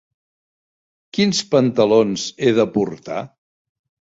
Quins pantalons he de portar?